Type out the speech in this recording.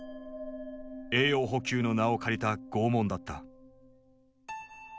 栄養補給の名を借りた拷問だった。